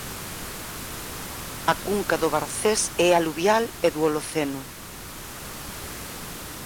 A cunca do Barcés é aluvial e do Holoceno.